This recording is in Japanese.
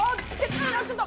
あちょっと！